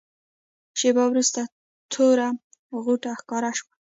شېبه وروسته توره غوټه ښکاره شوه.